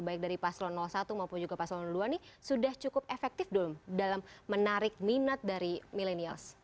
baik dari paslon satu maupun juga paslon dua ini sudah cukup efektif belum dalam menarik minat dari millennials